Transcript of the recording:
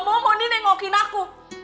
aku gak mau mondi nengokin aku